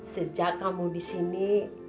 sejak kamu di sini